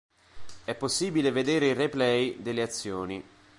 È possibile vedere i replay delle azioni.